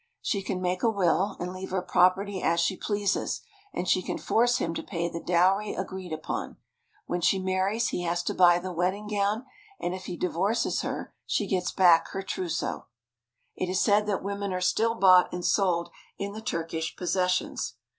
She can make a will and leave her property as she pleases, and she can force him to pay the dowry agreed upon. When she marries he has to buy the wedding gown, and if he di vorces her she gets back her trousseau. It is said that women are still bought and sold in the Turkish possessions.